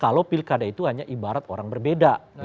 kalau pilkada itu hanya ibarat orang berbeda